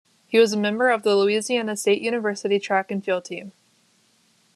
He was a member of the Louisiana State University track and field team.